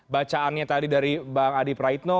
bacaannya tadi dari bang adi praitno